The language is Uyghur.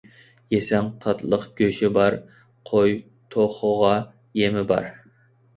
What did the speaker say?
يېسەڭ تاتلىق «گۆشى»بار، قوي، توخۇغا «يېمى» بار.